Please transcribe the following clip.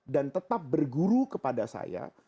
dan tetap berguru kepada saya